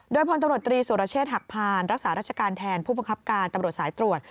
โดยพลตำรวจตรีสุรเชษฐหักพานรักษาราชการแทนผู้ประคับการตำรวจสายตรวจ